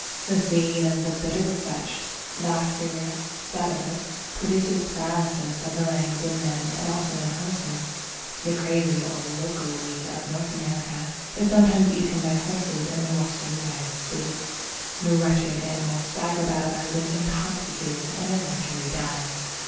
The seeds of the Bitter Vetch (Lathyrus sativus) produce paralysis of the legs in man and also in horses. The Crazy or Loco weed of North America is sometimes eaten by horses in the Western United States. The wretched animals stagger about as if intoxicated, and eventually die.